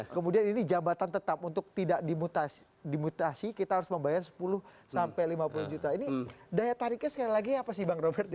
kemudian ini jabatan tetap untuk tidak dimutasi kita harus membayar sepuluh sampai lima puluh juta ini daya tariknya sekali lagi apa sih bang robert